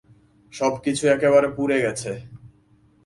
সবকিছু একেবারে পুড়ে গেছে।